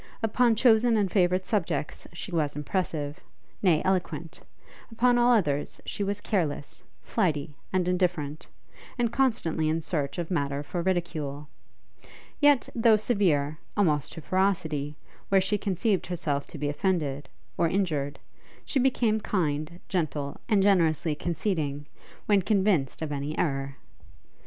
Upon chosen and favourite subjects she was impressive, nay eloquent; upon all others she was careless, flighty, and indifferent, and constantly in search of matter for ridicule: yet, though severe, almost to ferocity, where she conceived herself to be offended, or injured, she became kind, gentle, and generously conceding, when convinced of any errour.